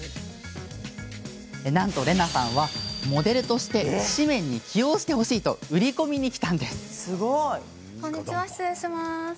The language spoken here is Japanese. なんとレナさんはモデルとして誌面に起用してほしいとこんにちは、失礼します。